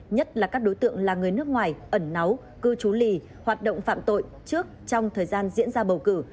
nhất là các đối tượng là người nước ngoài ẩn náu cư trú lì hoạt động phạm tội trước trong thời gian diễn ra bầu cử